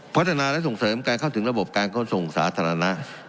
พัฒนาและส่งเสริมการเข้าถึงระบบการขนส่งสาธารณะ